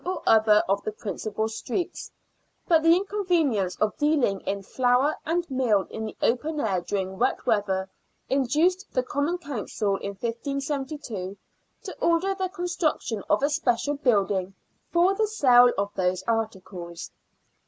or the other of the principal streets, but the inconvenience of deaHng in flour and meal in the open air during wet weather induced the Common Council in 1572 to order the construction of a special building for the sale of those articles.